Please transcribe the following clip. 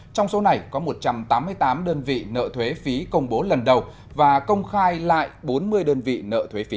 trong số này có một trăm tám mươi tám đơn vị nợ thuế phí công bố lần đầu và công khai lại bốn mươi đơn vị nợ thuế phí